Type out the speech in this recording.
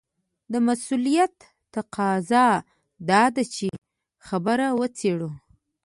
د مسووليت تقاضا دا ده چې خبره وڅېړو.